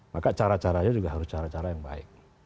maka cara caranya juga harus cara cara yang baik